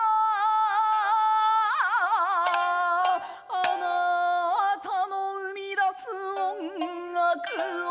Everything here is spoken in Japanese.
「あなたの生み出す音楽を」